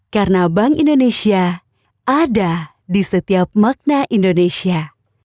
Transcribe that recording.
karena bank indonesia ada di setiap makna indonesia